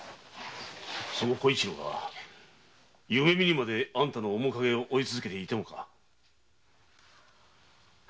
その小一郎が夢見にまであんたの面影を追い続けていてもか？